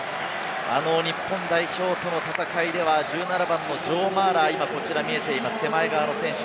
あの日本代表との戦いでは１７番のジョー・マーラー、今こちらに見えています、手前側の選手。